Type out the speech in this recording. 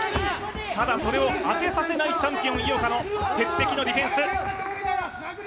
ただ、それを当てさせないチャンピオン井岡の鉄壁のディフェンス。